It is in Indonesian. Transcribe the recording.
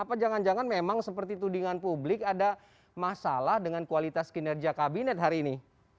apa jangan jangan memang seperti tudingan publik ada masalah dengan kualitas kinerja kabinet hari ini